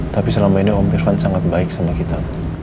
tapi selama ini om irfan sangat baik sama kita